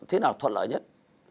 thế nào thuận lợi nhất